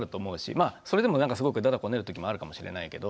まあそれでもなんかすごくだだこねる時もあるかもしれないけど。